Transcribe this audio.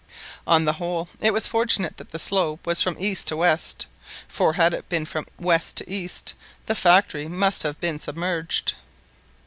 On the whole, it was fortunate that the slope was from east to west; for had it been from west to east, the factory must have been submerged.